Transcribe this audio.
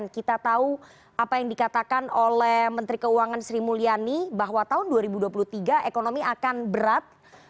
kita tahu apa yang dikatakan oleh menteri keuangan sri mulyani bahwa tahun dua ribu dua puluh tiga ekonomi akan berat